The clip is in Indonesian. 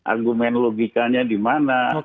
argumen logikanya di mana